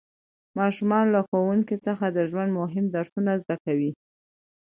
ماشومان له ښوونکي څخه د ژوند مهم درسونه زده کوي